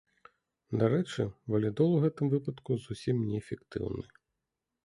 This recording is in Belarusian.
Дарэчы, валідол у гэтым выпадку зусім неэфектыўны.